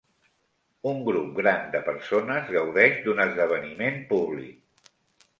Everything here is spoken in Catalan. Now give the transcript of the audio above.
Un grup gran de persones gaudeix d'un esdeveniment públic.